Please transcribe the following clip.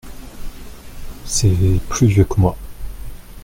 C’est plus vieux que moi.